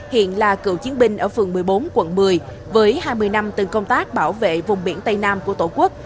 hiện là cựu chiến binh ở phường một mươi bốn quận một mươi với hai mươi năm từng công tác bảo vệ vùng biển tây nam của tổ quốc